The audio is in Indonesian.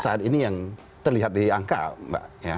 saat ini yang terlihat diangka mbak